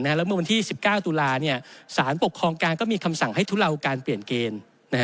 แล้วเมื่อวันที่๑๙ตุลาสารปกครองกลางก็มีคำสั่งให้ทุเลาการเปลี่ยนเกณฑ์